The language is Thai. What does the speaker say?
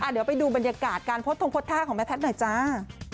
เดี๋ยวไปดูบรรยากาศการโพสต์ทงพดท่าของแม่แพทย์หน่อยจ้า